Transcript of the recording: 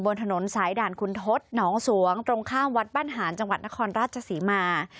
หลวกซื้อแห่งหนึ่งบนถนนสายด่านคุณทศหนองสวงตรงข้ามวัดบ้านหารจังหวัดนครราชศรีมาร์